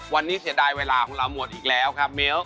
วันนี้เสียดายเวลาของเราหมดอีกแล้วครับมิ้ว